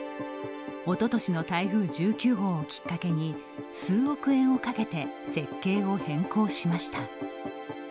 おととしの台風１９号をきっかけに数億円をかけて設計を変更しました。